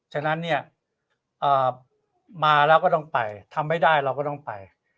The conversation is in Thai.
ฉะนั้นเนี่ยมาแล้วก็ต้องไปทำไม่ได้เราก็ต้องไป